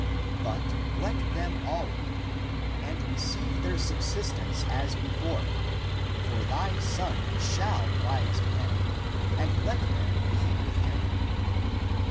But let them all be free and receive their subsistence as before — for thy son shall rise again — and let them be with him."